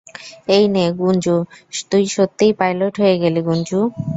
এই নে গুঞ্জু - তুই সত্যিই পাইলট হয়ে গেলি, গুঞ্জু।